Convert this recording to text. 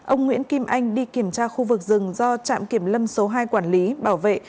ông nguyễn kim anh đi kiểm tra khu vực rừng do trạm kiểm lâm số hai quản lý bảo vệ